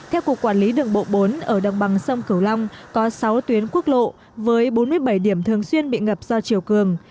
theo cục quản lý đường bộ bốn ở đồng bằng sông cửu long có sáu tuyến quốc lộ với bốn mươi bảy điểm thường xuyên bị ngập do chiều cường